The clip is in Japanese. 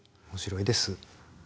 面白いです。